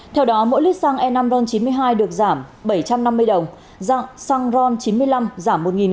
theo đó mỗi lít xăng e năm ron chín mươi hai được giảm bảy trăm năm mươi đồng dạng xăng ron chín mươi năm giảm một chín mươi đồng một lít